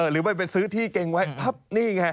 หรือว่าไปซื้อที่เก่งไว้นี่ไง